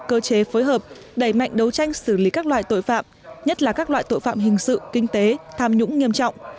cơ chế phối hợp đẩy mạnh đấu tranh xử lý các loại tội phạm nhất là các loại tội phạm hình sự kinh tế tham nhũng nghiêm trọng